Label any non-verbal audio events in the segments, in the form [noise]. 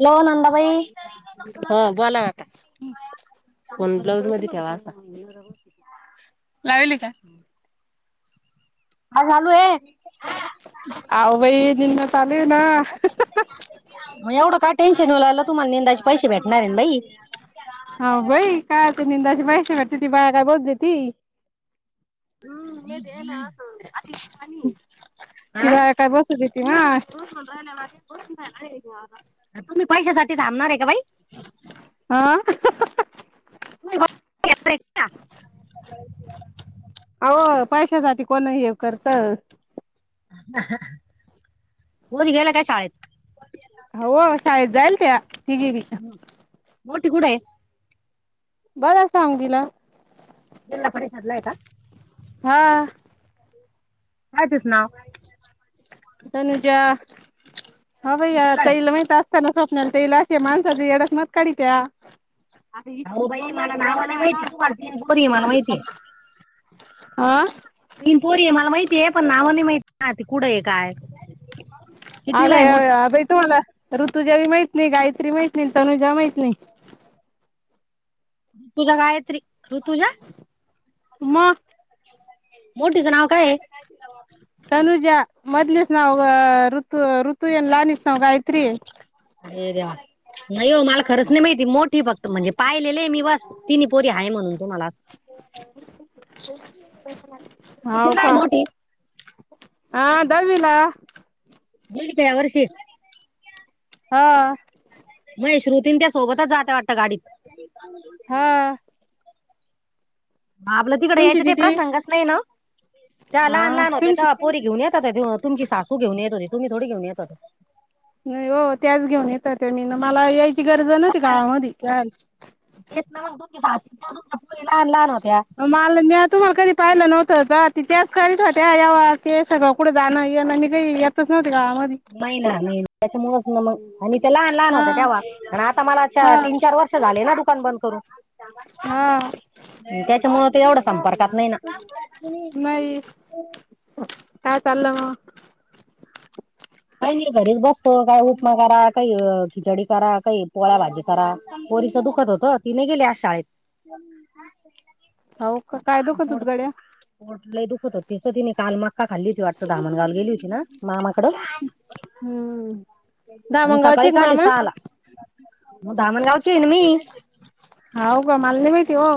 Hello Nandabai ह बोला वाता कोण ब्लाऊज मध्ये घ्यावा असा लावेल का आज चालू आहे अह बाई निना चाले ना मग एवढं काय टेन्शन होला तुम्हाला निंदायचे पैसे भेटणार बाई हा भाई कायते निंदाची बाैशी करते ती बाया काय बोतते ती हम्म म येन ति बा हा काय बसत येते ना ह ह आ तुम्हीैसासाठी थबणार आहे का बाई हा [unintelligible] [inaudible] अह पैशासाठी कोण हे करत ओद गला काय शा येत हो शाळेत जायल त्या तिन्ही ह मोठीे कुड आहे बर सांग तला जिल्हा परिषद ला आहे का हा कायचच नाव तनुजा भैया कितवीला आहे? तल म त ना स्वप्नलेत इलाशे मानसज एडच म काडित्या अ बाई मला नाव नाही माहिती तूमन बोरी आहे मला माहितीये हा तीन पोरी आहे मला माहितीय आहे पण नावाने माहिती ना कुठं आहे काय कितवीला आहे अगय मोठी? आगई तु म्ह्हाला [unintelligible] [inaudible] ऋतुजा माहित नाही गायत्री माहित नाही तनुजा माहित नाही ऋतुजा गायत्री ऋतुजा मग. मोठीचं नाव काय ए? [unintelligible] [inaudible] तनुज मदलच नव अ ऋतू ऋतू येन लाानस नव गात्री अरे देवा नाही ओ मला खरंच नाही माहिती, मोठी फक्त म्हणजे पाहिलेले आहे मी बस तिनी पोरी आहे म्हणून तुमाला अस हाव कितवीला आहे का? मोठी आ दहावीला गेली का यावर्षी? हा माहे श्रुतीं अन् त्या सोबतच जाता वाटतं गाडीत हा आ. आपलं तिकडं तुमची यायचं काई दिदी? प्रसंगच नाही ना, ओ त्या लहान हा. लहान होत्या तुमची तवा पोरी घेऊन येत होत्या, तुमची सासू घेऊ येत होती, तु्म्ही थोडी घेऊन येत होता. नाही हो त्याच घेऊन येत, ते मी मला यायची गरज नव्हती काळामधी इतना ना मग दोन दिवस थांब लहान लहान होत्या माल म्या तुम्हाला कधी पाहिलं नव्हतं, जा आतीच त्याच करीत होत्या व्यववार ते सगळं कुठ जाणं येणं मी काही येतच नव्हते, गावामधी नाही ना नाही, त्याच्यामुळेच मग आणि ते लहान लहान हा होत्या, तेव्हा पण आता मला हा तीन चार वर्ष वर्ष झाले ना दुकान बंद करून हा. त्याच्यामूळ ते एवढ संपर्कात नाही ना. नाही काय चाललं मग? काय मी घरीच बसतो काही उपमा करा काही खिचडी करा काही, पोळ्या भाजी करा पोरीच दुखत होत ति नाई गेली आज शाळेत. हाव का काय दुखत गड्या? पोठ लई दुखत होती, तिचं तिने काल मक्का खाल्ली होती वाटत, धामणगावला गेली होती ना मामाकडं हम्म. म दामणगावचे सकाळीच का आली मामा? सहाला, मग धामणगावची हाएना मी हाव का मला नाही माहिती ओ?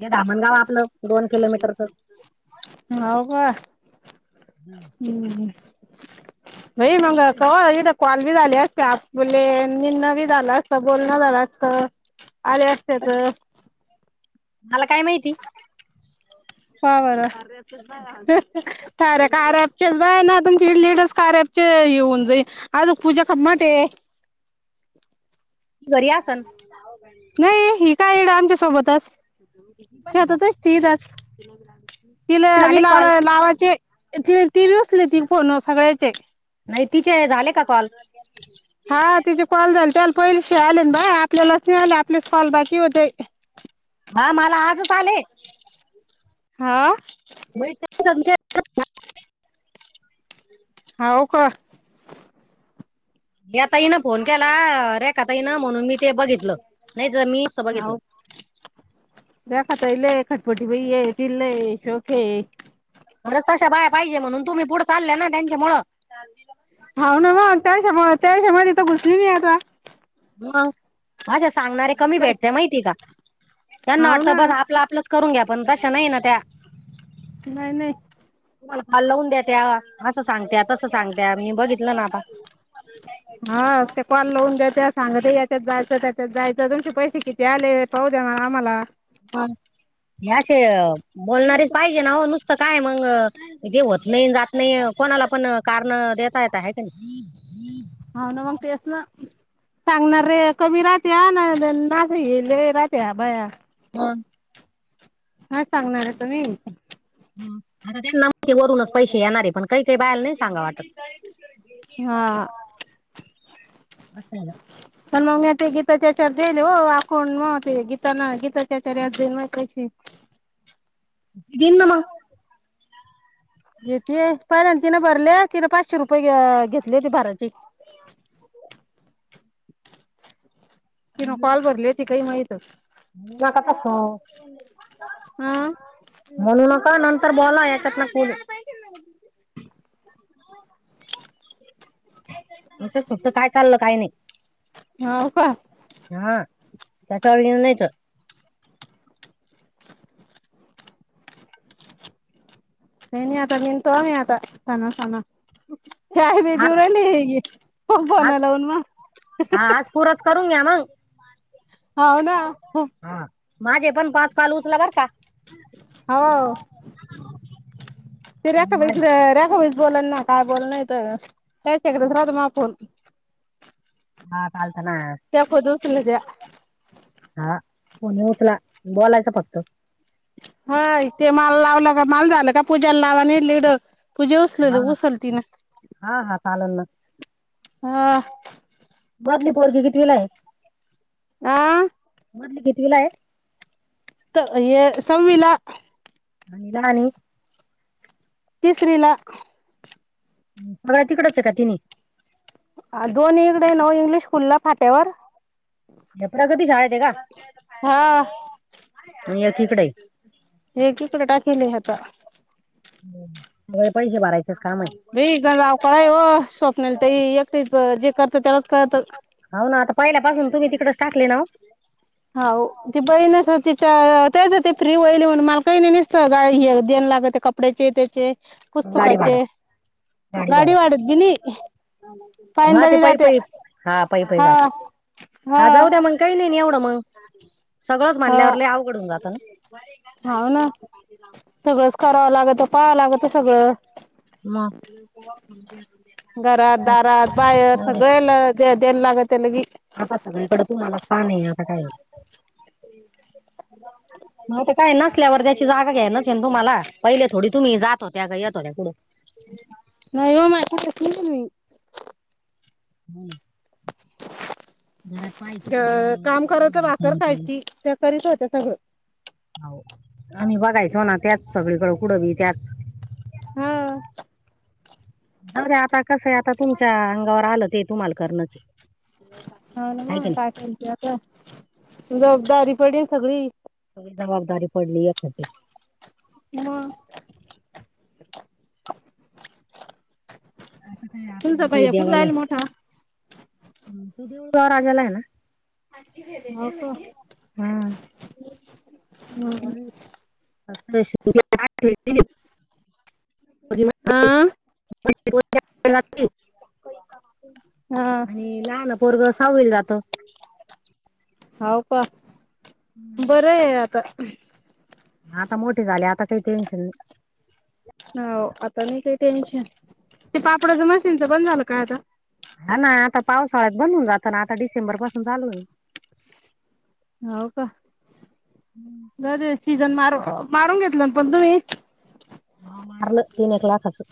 हे धामणगाव आपलं. दोन किलोमीटरचं हुं हाव का? हम्म. हुं हुं लई वंगाळ कवा इल कॉल बी झाले असते, आज मले निणं बी झालं असत, बोलणं झालं असत, आले असते. त्याच मला काय माहिती? का बर? [unintelligible] काऱ्या काऱ्याचेच बाई ना तुमची इडली एक दिवस कारयाचे येऊन जाईल. अजून पूजा कमाटे हाये. त घरी असन. नाही ही काय? इड आमच्या सोबतच शेतातच तिचे असती आज तिला झाले बी लाव कॉल लावाचे, ति बी उचलति फोन सगळ्याचे नाही तिचे झाले का कॉल? हा तिचे कॉल झालते पैसे आले न बा, आपल्यालाच नाही आले, आपलेच कॉल बाकी होते. हा मला आजच आले. हां. म संख्या [unintelligible] हाव का? या ताई न फोन केला आ रेखाताई न, म्हणून मी ते बघितलं नाही तर मी बघितलं ह द खात येल खटपटी बाई ये ति नाही शोके अरे तशा बाहे पाहिजे म्हणून तुम्ही पुढ चाल ना त्यांच्यामुळं ब हाव ना मग त्याच्यामुळ तेष्या मध्ये तर घुसली मी आता म अशा सांगणारे कमी भेटते माहितीए का? त्यांना हाव वाटत ना बस आपलं आपलं. करून घ्या पण तशा नाही ना त्या नाही नाही तुम्हाला काल लावून द्याेत या असं सांगत्या तसं सांगत्या मी बघितलं ना आता हा ते कॉल लावून द्याेत सांगते याच्यात जायचं त्याच्यात जायचं तुमचे पैसे किती आले पाह दे ना आम्हाला ह या अस बोलणारीच पाहिजे ना हो नुसतं काय मग तेे होत नाही जात नाही कोणाला पण कारण देता येत आहे का नाही हो ना मग तेच ना सांगणार रे कमी राहते ना ना र राहते ह बाया हा हय सांगणार आहे तुम्ही आता त्यांना माहिती वरूनच पैसे येणारे पण काही काही बाहेला नाही सांगा वाटत असं आहे ना. हा पण मगी ते गीताच्याचार देईल हो आपण मग ते गीताना गीताच्याचार याईल म कसे दिंदमा येत पहिले तिनें भरले तिने पाचशे रुपये घेतले होती भाराची ति ना कॉल भरली ती काही माहितच ना काताास हा म्हणू नका नंतर बोला याच्यात ना कु च्या फक्त काय चाललं काही हो का नाही हा त्याच्या घेऊन नाहीत तेन आता बन त म आता सना सना शाही ब आज देवराली हे प आज बणाला उन्मा हा आज पुरत करून घ्या मग होान हा माझे पण पाच पाल उचला बर का ह ते माझे रखाैख बोला ना काय बोल नाही तर त्यायच एक दस राहत मग आपण हा चालत ना त्याको दो सुलज्या हा फोन उचला बोलायचं फक्त हा ते माल लावलं का माल झालं का पूजाला लावाने िड पूजा उसलेली उसल ति ना हा हा चालून ना हा बदली पोरगे किती वला आहे आ मधली घेतलीला आहे ये संविला आणिला आणि केसरीला सगळ्या तिकडच का ति दोन इकडे नऊ इंग्लिश स्कूलला फाट्यावर जपडा कधी झााळ ते का हा मग एकीकडे एक कीकडे टाकेली हता पैसे भरायचेच काम आहे भीण राव क आहे हो स्वप्नाला त एकटेच जे करत त्यालाच कळत हो ना आता पहिल्यापासून तुम्ही तिकडेच टाकले ना हो ती बहीणस तिच्या तेच ते फ्री वईली म्हणून मला काही नाही नसत देयन लागत ते कप कपड्याचे त्याचे गाडी भाडं पुस्तुकाचे गाडी वाढत बी नाही हा ते पायंदळी पै जाते पै हा पै पै हा जाते हा जाऊ द्या मंग काही नाही नाही एवढं मग सगळंच मानल्यावर ल अवघडून जातं ना हव ना सगळंच करावं लागत पाहावं लागत सगळं हो ब ब घरात दारात बाहेर सगळे द्यायला लागत त्या ली आता सगळीकडे तुम्हालाच पाह नाही आहे आता काय म ते काय नसल्यावर त्याची जागा घ्या नच येन तुम्हाला पहिले थोडी तुम्ही जातो त्याकडे येतो त्याकडून नाही हो मालही हम हम अ काम करत वाकरर खायची त्या करीत होत्या सगळं हो आणिम्ही बघायचो ना त्याच सगळीकडें उडवी त्याच हा रे आता कसं आता तुमच्या अंगावर आलं ते तुम्हाला करण्याची होा ना मग काय कयते आता जबाबदारी पडेल सगळी सगळी जबाबदारी पडली एखा हम आ तुमचा का भैय्या कुठं द्यावाला जायला मोठा? राजाला आहे ना हो का. हा [unintelligible] पोरगी मोठी आह [unintelligible] हा आणि लहान पोरग सावल जातं होाव का बरं आहे आता आता मोठे झाले आता काही टेन्शन नाही हो आता नाहीी काही टेन्शन ते पापडाच मशीनचं पण झालं काय आता हा ना आता पावसाळ्यात बंद होून जात ना आता डिसेंबर पासून चालू आहे हो का हम्म बरे सीजन मार मारून घेतलं पण तुम्ही ह मारलं तीन एक लाखच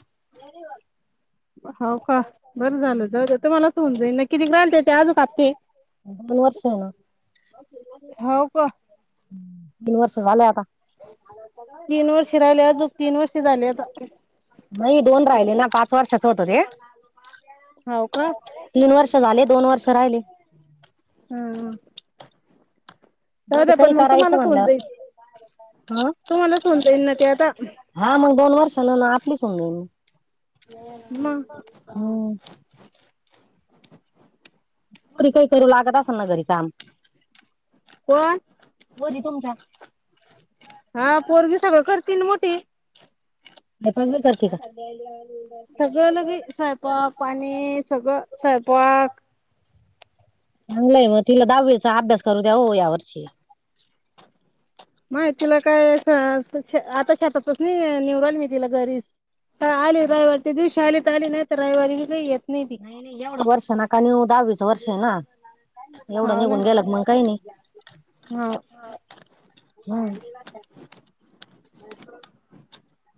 नाही वा हो का बरं झालं जाऊ तुम्हाला सऊ [unintelligible] न जाईन न किती ग्रा [unintelligible] नट य ते आजू कापते मनु वर्ष ना हो का? तीन वर्ष सहा झालय आता तीन वर्ष राहिले अजून तीन वर्ष झाले आता नाही दोन राहिले ना पाच वर्षाचं होतं ते हो का? तीन वर्ष झाले दोन वर्ष राहिले. हं तर द पण काही मग करायचं तुम्हाला फोन म्हणल्यावर जाईल ह तुम्हाला सोन जाईन ना ते आता हा मग दोन वर्ष न ना आपलीच होऊ जाईनं म म हं री काही कररी लागतास न घरी काम कोण? पोरी तुमच्या हा पोरगी सगळं करती ना मोठी स्वयंपाक पण करती का? सगळं लगी स्वयंपाक पाणी सगळं स्वयंपाक लंय मग तिला दहावीचा अभ्यास करू द्या वो या वर्षी नाय तिला काय अस आता शेतातच नाही निहुन राहीली मी तिला घरीच त्या आली रविवार च्या दिवशी आली त आली नाय त रयवारीही येत नाय. नाय नाय एवढ वर्ष नका नेऊ दहावीच वर्षे आहे ना. एवढं हाव ना निघून गेला मंग काही नाही हा हं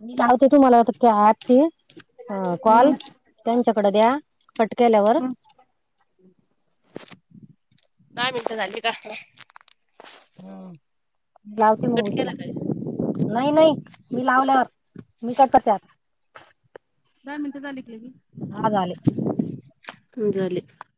मी लावते तुम्हाला ते आठ ते कॉल हम्म त्यांच्याकड द्या कट केल्यावर दहा मिनिट झाली का? हं मी लावती मंग उचला. नाही नाही मी लावल्यावर मी कट करते आता. दहा मिनिटं झाली की लगी हा झाले. हो झाले.